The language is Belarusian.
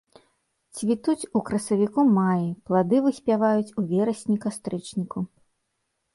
Цвітуць у красавіку-маі, плады выспяваюць у верасні-кастрычніку.